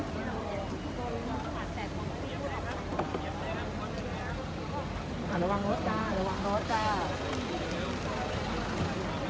กระจ่งหน้าอยู่นั้นมาลวนทะวันช้าห่วงคืน